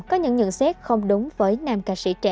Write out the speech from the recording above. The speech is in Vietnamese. có những nhận xét không đúng với nam ca sĩ trẻ